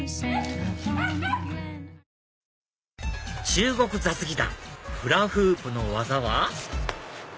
中国雑技団フラフープの技は？